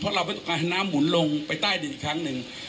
เพราะเราไม่ต้องการให้น้ำหมุนลงไปใต้ดินอีกครั้งหนึ่ง